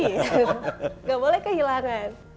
nggak boleh kehilangan